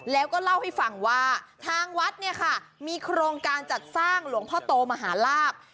แล้วก็เล่าให้ฟังว่าทางวัดเนี่ยค่ะมีโครงการจัดสร้างหลวงพ่อโตมหาลาภ